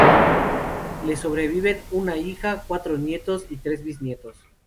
Le sobreviven una hija, cuatro nietos y tres bisnietos.